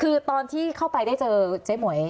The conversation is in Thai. คือตอนที่เข้าไปได้เจอเจ๊หมวย